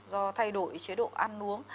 do thay đổi chế độ ăn uống